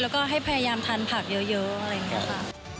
แล้วก็ให้พยายามทานผักเยอะอะไรอย่างนี้ค่ะ